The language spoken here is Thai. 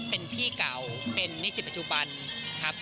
เป็นพี่เก่าเป็นนิสิตปัจจุบันครับ